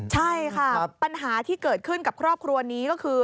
ใช่ค่ะปัญหาที่เกิดขึ้นกับครอบครัวนี้ก็คือ